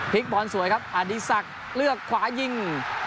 ภิคปรณ์สวยครับอดีซักเลือกขวายิง